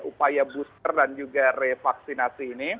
upaya booster dan juga revaksinasi ini